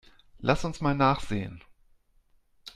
Lass uns mal nachsehen.